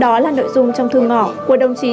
đó là nội dung trong thư ngỏ của đồng chí